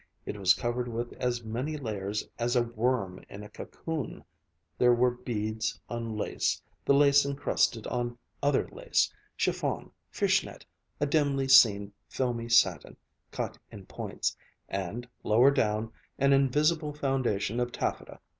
It was covered with as many layers as a worm in a cocoon. There were beads on lace, the lace incrusted on other lace, chiffon, fish net, a dimly seen filmy satin, cut in points, and, lower down, an invisible foundation of taffeta.